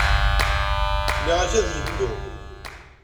Nniɣ-ak ad yeddu.